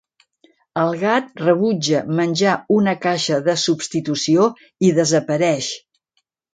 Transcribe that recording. El gat rebutja menjar una caixa de substitució i desapareix.